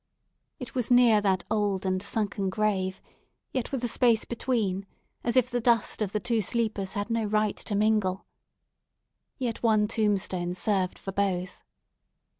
It was near that old and sunken grave, yet with a space between, as if the dust of the two sleepers had no right to mingle. Yet one tomb stone served for both.